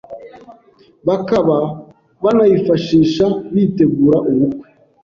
bakaba banayifashisha bitegura ubukwe.